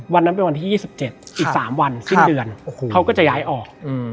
วันนั้นเป็นวันที่๒๗อีก๓วันสิ้นเดือนเขาก็จะย้ายออก